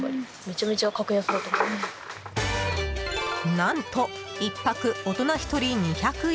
何と１泊、大人１人２００円